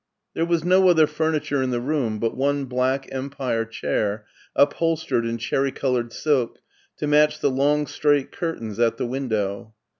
There was no other furniture in the room but one black empire chair upholstered in cherry colored silk to match the long straight curtains at the window.